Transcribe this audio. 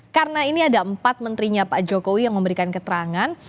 karena ini ada empat menterinya pak jokowi yang memberikan keterangan